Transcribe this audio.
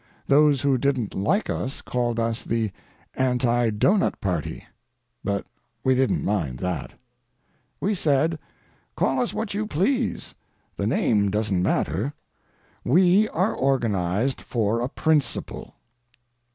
Those who didn't like us called us the Anti Doughnut party, but we didn't mind that. We said: "Call us what you please; the name doesn't matter. We are organized for a principle."